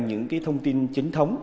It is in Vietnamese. những cái thông tin chính thống